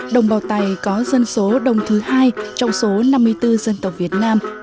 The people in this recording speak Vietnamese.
đồng bào tày có dân số đông thứ hai trong số năm mươi bốn dân tộc việt nam